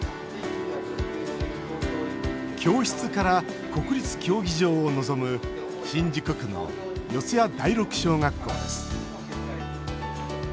教室から国立競技場を望む新宿区の四谷第六小学校です。